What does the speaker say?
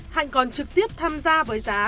hạnh còn trực tiếp tham gia với giá